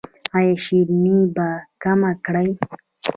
ایا شیریني به کمه کړئ؟